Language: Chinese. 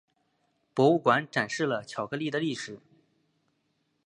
博物馆展示了巧克力的历史。